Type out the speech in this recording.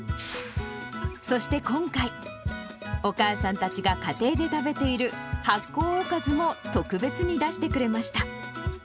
そして今回、お母さんたちが家庭で食べている発酵おかずも特別に出してくれました。